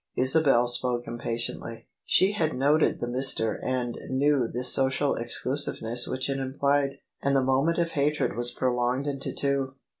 Isabel spoke impatiently. She had noted the " Mr." and knew the social exclusiveness which it implied : and the moment of hatred was prolonged into two.